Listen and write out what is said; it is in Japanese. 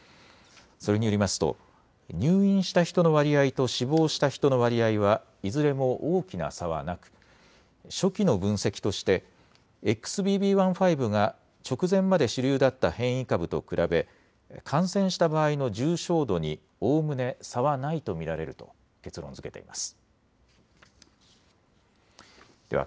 それによりますと入院した人の割合と死亡した人の割合はいずれも大きな差はなく初期の分析としてＸＢＢ．１．５が直前まで主流だった変異株と比べ感染した場合の重症度におおむね差はないと見られると結論づけています。